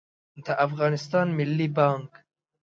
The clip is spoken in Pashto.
د افغانستان ملي بانګ